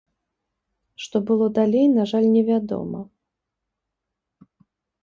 Што было далей, на жаль невядома.